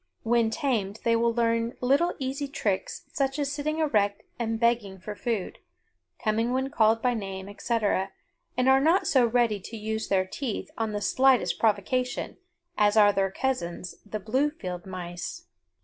When tamed they will learn little easy tricks such as sitting erect and "begging" for food, coming when called by name, etc., and are not so ready to use their teeth on the slightest provocation, as are their cousins, the blue field mice.